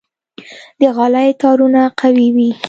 د غالۍ تارونه قوي وي.